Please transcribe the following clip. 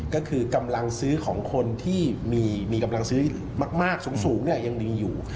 ก็คือกำลังซื้อของคนที่มีกำลังซื้อมากสูงยังมีอยู่